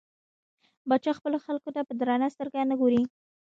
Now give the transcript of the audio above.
پاچا خپلو خلکو ته په درنه سترګه نه ګوري .